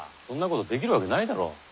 そんなことできるわけないだろう。